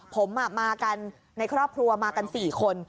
ผมมากันในครอบครัวมากัน๔คน